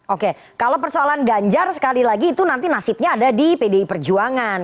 oke kalau persoalan ganjar sekali lagi itu nanti nasibnya ada di pdi perjuangan